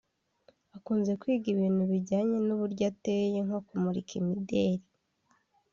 Akunze kwiga ibintu bijyanye n’uburyo ateye nko kumurika imideli